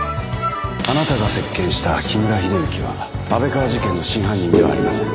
あなたが接見した木村秀幸は安倍川事件の真犯人ではありません。